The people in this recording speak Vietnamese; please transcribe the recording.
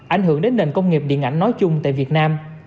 ảnh hưởng đến nền công nghiệp điện ảnh nói chung tại việt nam